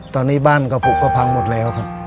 ตอนนี้บ้านกระพุกก็พังหมดแล้วครับ